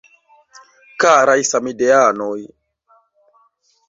Karaj samideanoj!